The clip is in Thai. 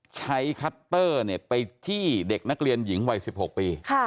คัตเตอร์ไปจี้เด็กนักเรียนหญิงวัย๑๖ปี